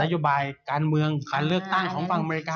โยบายการเมืองการเลือกตั้งของฝั่งอเมริกา